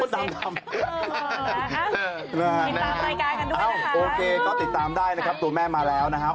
ติดตามได้ตัวแม่มาแล้วนะครับ